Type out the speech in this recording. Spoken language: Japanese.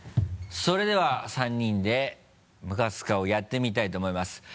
それでは３人でムカツク顔やってみたいと思います。